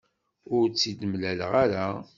Ur tt-id-mlaleɣ ara.